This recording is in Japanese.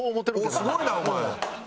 おおすごいなお前。